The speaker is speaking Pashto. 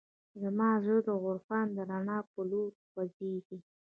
زما زړه د عرفان د رڼا په لور خوځېږي.